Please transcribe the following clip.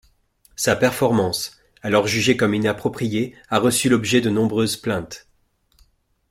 Sa performance, alors jugée comme inappropriée a reçu l'objet de nombreuses plaintes.